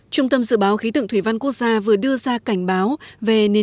trung tâm dự báo khí tượng thủy văn quốc gia vừa đưa ra cảnh báo về nền